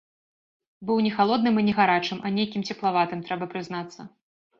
Быў не халодным і не гарачым, а нейкім цеплаватым, трэба прызнацца.